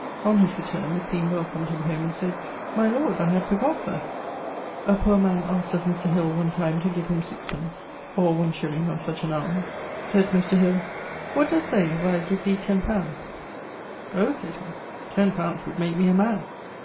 On his returne the queen welcomed him home and sayd, 'My lord, I had forgot the ...' A poor man askt of Mr. Hill one time to give him 6_d._ (or 1_s._ or such an almes). Sayd Mr. Hill 'What doest say, if I give thee ten pounds?' 'Oh!' sayd he, 'ten pounds would make me a man.'